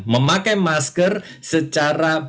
memakai masker secara